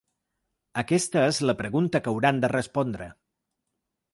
Aquesta és la pregunta que hauran de respondre.